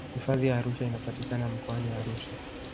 hifadhi ya arusha inapatikana mkoani arusha